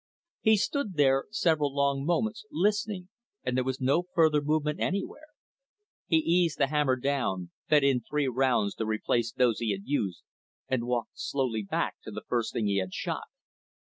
He stood there several long moments, listening, and there was no further movement anywhere. He eased the hammer down, fed in three rounds to replace those he had used, and walked slowly back to the first thing he had shot.